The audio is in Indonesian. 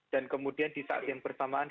dan kemudian di saat yang bersamaan